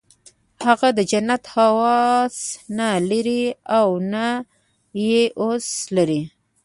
هغه د جنت هوس نه لري او نه یې وس لري